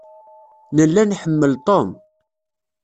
Nella nḥemmel Tom.